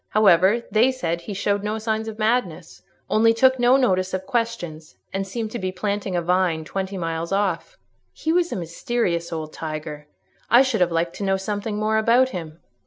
However, they said he showed no signs of madness—only took no notice of questions, and seemed to be planting a vine twenty miles off. He was a mysterious old tiger. I should have liked to know something more about him."